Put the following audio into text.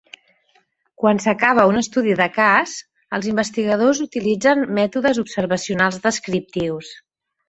Quan s'acaba un estudi de cas, els investigadors utilitzen mètodes observacionals descriptius.